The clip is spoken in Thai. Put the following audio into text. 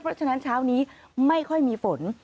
เพราะฉะนั้นเช้านี้ไม่ค่อยมีฝน